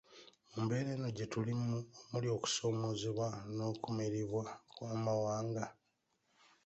Mu mbeera eno gye tulimu omuli okusoomoozebwa n’okumiribwa kw’Amawanga.